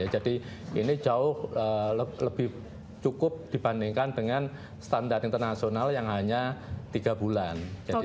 jadi ini jauh lebih cukup dibandingkan dengan standar internasional yang hanya tiga bulan